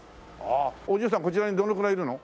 お嬢さんこちらにどのぐらいいるの？